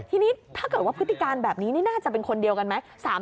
ทีนี้ถ้าเกิดว่าพฤติการแบบนี้นี่น่าจะเป็นคนเดียวกันไหม